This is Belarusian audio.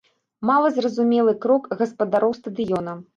Малазразумелы крок гаспадароў стадыёна.